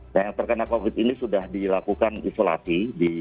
nah yang terkena covid ini sudah dilakukan isolasi